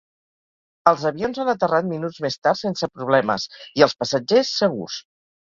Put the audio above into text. Els avions han aterrat minuts més tard sense problemes i els passatgers, segurs.